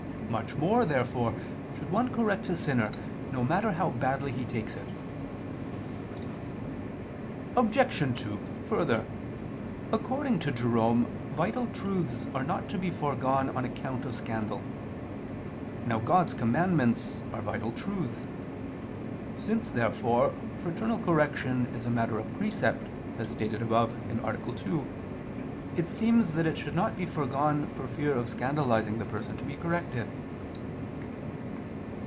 Much more, therefore should one correct a sinner, no matter how badly he takes it. Obj. 2: Further, according to Jerome vital truths are not to be foregone on account of scandal. Now God's commandments are vital truths. Since, therefore, fraternal correction is a matter of precept, as stated above (A. 2), it seems that it should not be foregone for fear of scandalizing the person to be corrected.